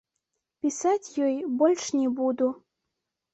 Пісаць ёй больш не буду.